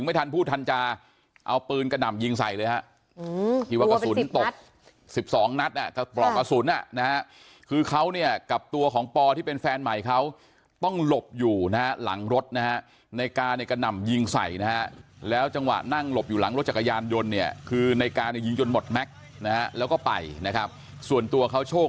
ไม่ทันพูดทันจะเอาปืนกระหน่ำยิงใส่เลยฮะที่ว่ากระสุนตก๑๒นัดอ่ะกระปลอกกระสุนอ่ะนะฮะคือเขาเนี่ยกับตัวของปอที่เป็นแฟนใหม่เขาต้องหลบอยู่นะฮะหลังรถนะฮะในกาเนี่ยกระหน่ำยิงใส่นะฮะแล้วจังหวะนั่งหลบอยู่หลังรถจักรยานยนต์เนี่ยคือในกาเนี่ยยิงจนหมดแม็กซ์นะฮะแล้วก็ไปนะครับส่วนตัวเขาโชค